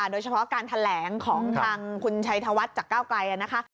โดยเฉพาะการแถลงของทางคุณชัยธวัฒน์จากก้าวไกลนะคะ